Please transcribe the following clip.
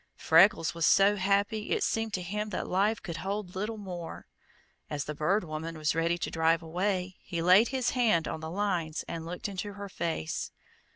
Freckles was so happy it seemed to him that life could hold little more. As the Bird Woman was ready to drive away he laid his hand on the lines and looked into her face.